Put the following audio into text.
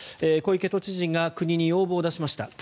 小池都知事が国に要望を出しました。